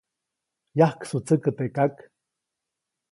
-Yajksutsäkä teʼ kak.-